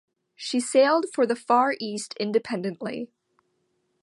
She sailed for the Far East independently.